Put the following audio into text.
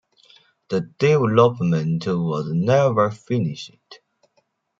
The development was never finished.